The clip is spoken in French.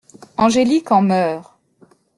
Angélique en meurt.